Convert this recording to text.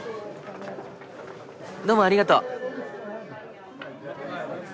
どうもありがとう。